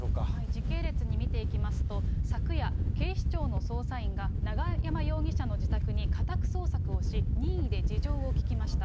時系列に見ていきますと、昨夜、警視庁の捜査員が永山容疑者の自宅に家宅捜索をし、任意で事情を聴きました。